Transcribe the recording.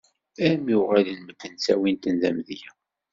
Armi uɣalen medden ttawin-ten d amedya!